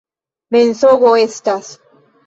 Mensogo estas!